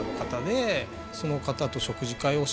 その方と。